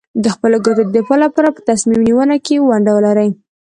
د خپلو ګټو د دفاع لپاره په تصمیم نیونه کې ونډه ولري.